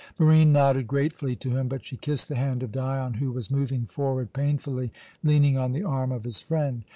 Barine nodded gratefully to him; but she kissed the hand of Dion, who was moving forward painfully, leaning on the arm of his friend.